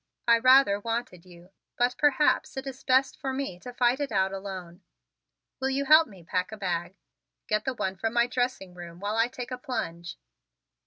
I rather wanted you but perhaps it is best for me to fight it out alone. Will you help me pack a bag? Get the one from my dressing room while I take a plunge."